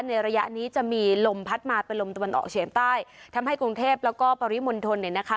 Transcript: ระยะนี้จะมีลมพัดมาเป็นลมตะวันออกเฉียงใต้ทำให้กรุงเทพแล้วก็ปริมณฑลเนี่ยนะคะ